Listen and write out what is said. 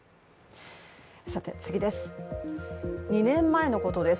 ２年前のことです。